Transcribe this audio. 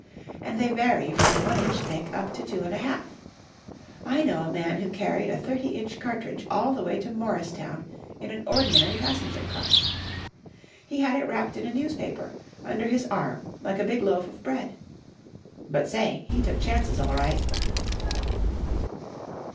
And they vary from one inch thick up to two and a half. I know a man who carried a thirty inch cartridge all the way to Morristown in an ordinary passenger car. He had it wrapped in a newspaper, under his arm like a big loaf of bread. But say, he took chances, all right."